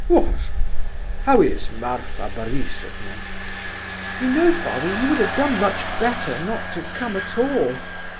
what?... How is Marfa Borisovna?" "You know, father, you would have done much better not to come at all!